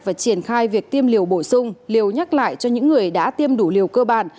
và triển khai việc tiêm liều bổ sung liều nhắc lại cho những người đã tiêm đủ liều cơ bản